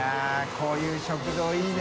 こういう食堂いいね。